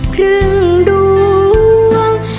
ครึ่งดวง